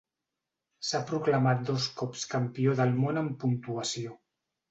S'ha proclamat dos cops campió del món en puntuació.